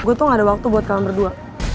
gue tuh gak ada waktu buat kalian berdua